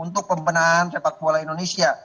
untuk pembenahan sepak bola indonesia